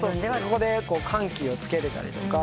ここで緩急をつけられたりとか。